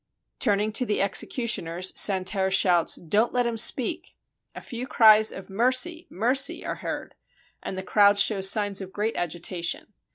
Turn ing to the executioners, Santerre shouts, "Don't let him speak !" A few cries of " Mercy I Mercy !'' are heard , and the crowd shows signs of great agitation.